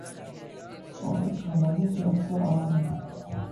اور اس حوالے سے اکثر آپ نے